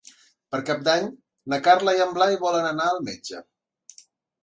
Per Cap d'Any na Carla i en Blai volen anar al metge.